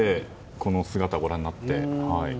この姿をご覧になって。